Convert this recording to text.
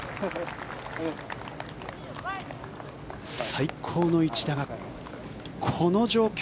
最高の一打がこの状況